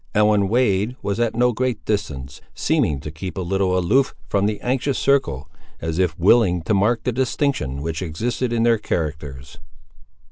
Ellen Wade was at no great distance, seeming to keep a little aloof from the anxious circle, as if willing to mark the distinction which existed in their characters.